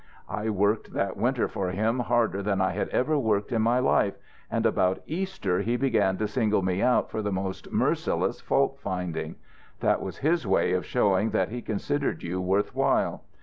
I worked that winter for him harder than I had ever worked in my life, and about Easter he began to single me out for the most merciless fault finding. That was his way of showing that he considered you worth while.